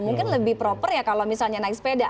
mungkin lebih proper ya kalau misalnya naik sepeda